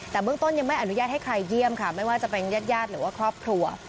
แต่เบื้องต้นยังไม่อนุญาตให้ใครเยี่ยมค่ะไม่ว่าจะเป็นญาติญาติหรือว่าครอบครัว